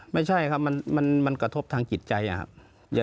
ไม่ใช่ครับมันกระทบทางจิตใจครับ